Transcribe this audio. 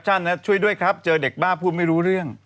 ช่วยด้วยครับเจอเด็กบ้าพูดไม่รู้เรื่อง